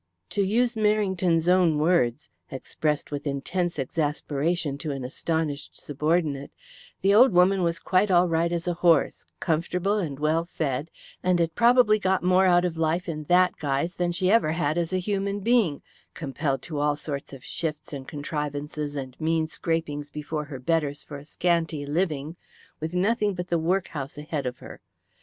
To use Merrington's own words, expressed with intense exasperation to an astonished subordinate, the old woman was quite all right as a horse, comfortable and well fed, and had probably got more out of life in that guise than she ever had as a human being, compelled to all sorts of shifts and contrivances and mean scrapings before her betters for a scanty living, with nothing but the work house ahead of her.